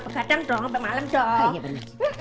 kegadang dong malam dong